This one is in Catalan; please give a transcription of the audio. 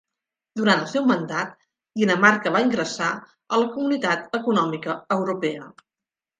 Durant el seu mandat Dinamarca va ingressar a la Comunitat Econòmica Europea.